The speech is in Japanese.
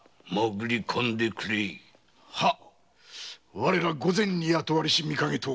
我ら御前に雇われし御影党。